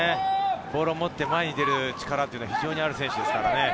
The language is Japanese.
ボールを持って前に出る力が非常にある選手ですからね。